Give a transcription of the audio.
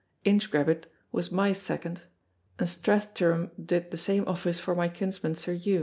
Inchgrabbit was my second, and Strathtyrum did the same office for my kinsman, Sir Hew.